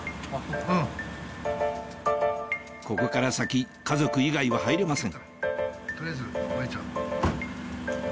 ここから先家族以外は入れません